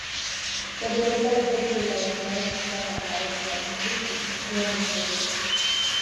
که د لومړۍ بېلګې له ازمېښت پرته پراخ تولید وشي، زیان رسوي.